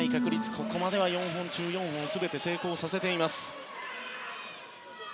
ここまでは４本中４本全て成功させています。